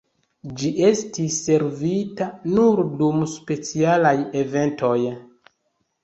Ĝi estis servita nur dum specialaj eventoj.